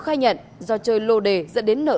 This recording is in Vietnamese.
khai nhận do chơi lô đề dẫn đến nợ